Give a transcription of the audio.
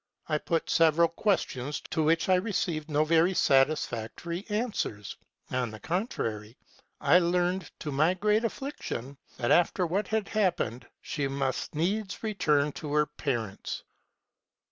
I put several questions, to which I received no very satisfactory answers : on the contrary, I learned, to my great affliction, that after what had happened she must needs return to her parents.